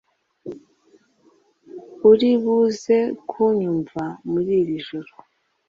uri buze kuyumva muri iri joro.